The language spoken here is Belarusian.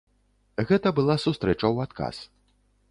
Гэта была сустрэча ў адказ.